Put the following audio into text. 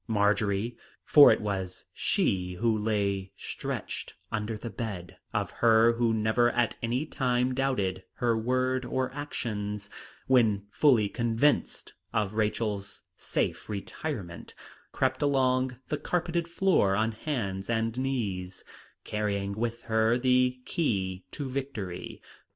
Marjory, for it was she who lay stretched under the bed of her who never at any time doubted her word or actions, when fully convinced of Rachel's safe retirement, crept along the carpeted floor on hands and knees, carrying with her the key to victory.